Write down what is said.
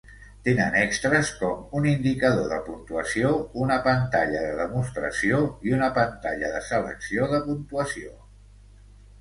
Tenen extres com un indicador de puntuació, una pantalla de demostració i una pantalla de selecció de puntuació.